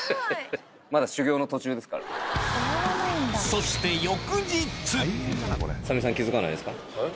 そしてえ？